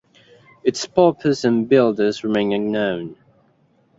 Its purpose and builders remain unknown.